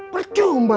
percumba kamu kejar